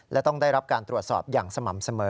และต้องได้รับการตรวจสอบอย่างสม่ำเสมอ